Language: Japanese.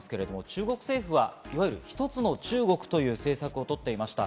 中国政府は一つの中国という政策をとっていました。